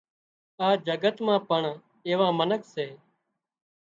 آ جڳت مان پڻ ايوان منک سي